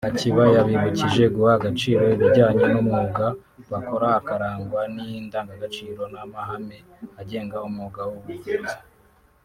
Hakiba yabibukije guha agaciro ibijyanye n’umwuga bakora bakarangwa n’indagagaciro n’amahame agenga umwuga w’ubuvuzi